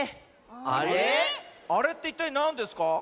あれっていったいなんですか？